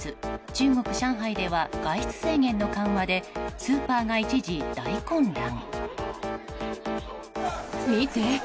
中国・上海では外出制限の緩和でスーパーが一時、大混乱。